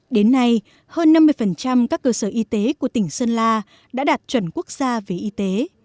đến nay hơn năm mươi các cơ sở y tế của tỉnh sơn la đã đạt chuẩn quốc gia về y tế